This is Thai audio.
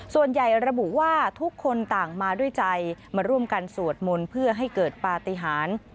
ส่วนใหญ่ระบุว่าทุกคนต่างมาด้วยใจมาร่วมกันสวดมนต์เพื่อให้เกิดปฏิหาร